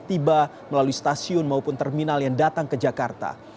tiba melalui stasiun maupun terminal yang datang ke jakarta